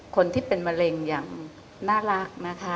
คนที่เป็นมะเร็งอย่างน่ารักนะคะ